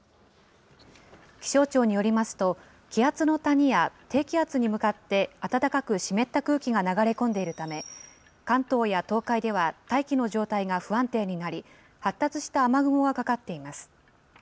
気象庁によりますと、気圧の谷や低気圧に向かって暖かく湿った空気が流れ込んでいるため、関東や東海では大気の状態が不安定になり、発達した雨雲がかかっています。